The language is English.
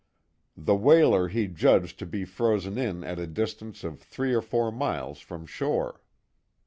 The whaler he judged to be frozen in at a distance of three or four miles from shore.